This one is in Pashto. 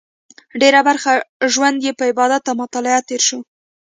ډېره برخه ژوند یې په عبادت او مطالعه تېر شو.